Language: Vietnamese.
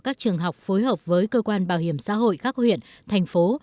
các trường học phối hợp với cơ quan bảo hiểm xã hội các huyện thành phố